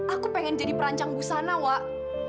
aku pengen jadi perancang busana wak